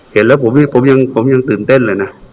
เห็นแล้วผมยังตื่นเต้นเลยนะ